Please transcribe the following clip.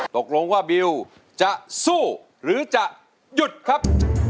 ตกลงว่าบิวจะสู้หรือจะหยุดครับ